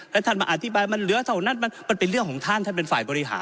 แล้วท่านมาอธิบายมันเหลือเท่านั้นมันเป็นเรื่องของท่านท่านเป็นฝ่ายบริหาร